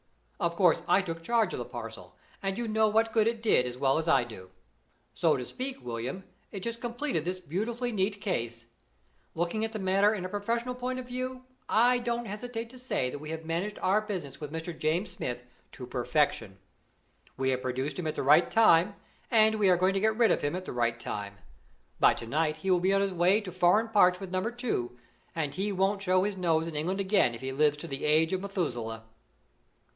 Of course I took charge of the parcel, and you know what good it did as well as I do. So to speak, William, it just completed this beautifully neat case. Looking at the matter in a professional point of view, I don't hesitate to say that we have managed our business with Mr. James Smith to perfection. We have produced him at the right time, and we are going to get rid of him at the right time. By to night he will be on his way to foreign parts with Number Two, and he won't show his nose in England again if he lives to the age of Methuselah."